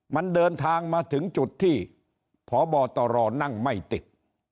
มันเดินทางมาถึงจุดที่พบตรนั่งไม่ติด